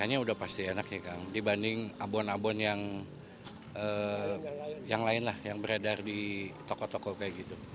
rasanya udah pasti enak ya kang dibanding abon abon yang lain lah yang beredar di toko toko kayak gitu